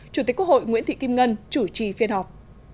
chủ tịch quốc hội nguyễn thị kim ngân chủ trì phiên họp